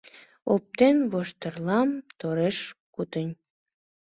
Оптен воштырлам тореш-кутынь